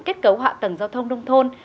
kết cấu hạ tầng giao thông nông thôn